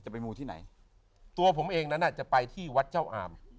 หัวผมเองนั้นน่ะจะไปที่วัดเจ้าอาม